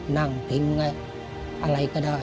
นั่งพิ้งอะไรก็ได้